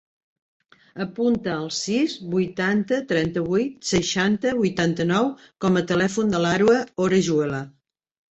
Apunta el sis, vuitanta, trenta-vuit, seixanta, vuitanta-nou com a telèfon de l'Arwa Orejuela.